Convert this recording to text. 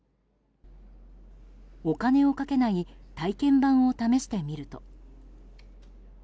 お金を賭けない体験版を試してみると。